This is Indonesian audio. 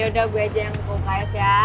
yaudah gue aja yang ke uks ya